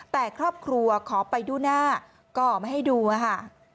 แต่ครอบครัวขอไปดูหน้าก็ไม่ให้ดูค่ะ